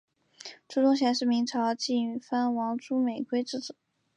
朱钟铉是明朝晋藩王朱美圭之子。